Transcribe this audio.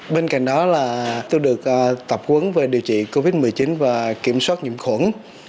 bên cạnh đó là tôi được tập huấn về điều trị covid một mươi chín và kiểm soát nhiễm khuẩn